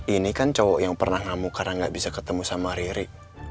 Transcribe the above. inikan cowok yang pake muma ga bisa ketemu sama riri